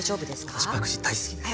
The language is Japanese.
私パクチー大好きです。